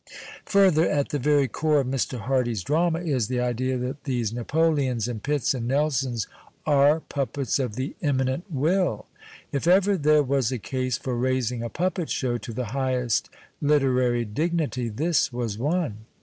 Further, at the very core of Mr. Hardy's drama is the idea that tliese Napoleons and Pitts and Nelsons are puppets of the Immanent Will. If ever there was a case for raising a puppet show to the highest literary dignity, this was one.